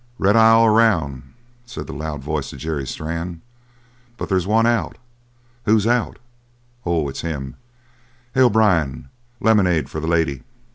"Red eye all 'round," said the loud voice of Jerry Strann, "but there's one out. Who's out? Oh, it's him. Hey O'Brien, lemonade for the lady."